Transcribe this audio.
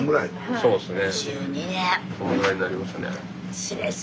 そうですよね。